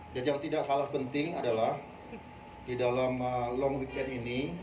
dan yang tidak halal penting adalah di dalam long weekend ini